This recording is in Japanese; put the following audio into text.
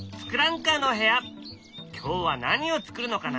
今日は何を作るのかな？